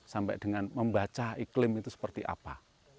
sampai dengan membaca iklim itu seperti apa